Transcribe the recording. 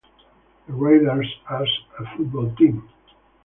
The Raiders are a football team.